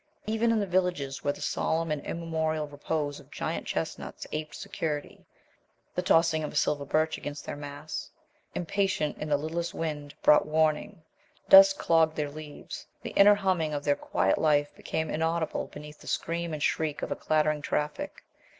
Even in the villages, where the solemn and immemorial repose of giant chestnuts aped security, the tossing of a silver birch against their mass, impatient in the littlest wind, brought warning. Dust clogged their leaves. The inner humming of their quiet life became inaudible beneath the scream and shriek of clattering traffic.